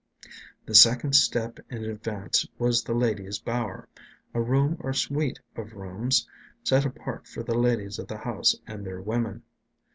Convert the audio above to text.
The second step in advance was the ladies' bower, a room or suite of rooms set apart for the ladies of the house and their women.